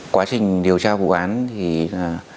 quá trình điều tra vụ án thì là